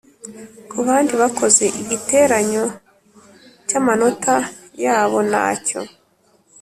Ku bandi bakozi igiteranyo cy amanota yabo na cyo